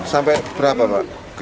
sampai berapa pak